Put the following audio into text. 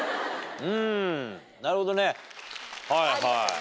うんなるほどね。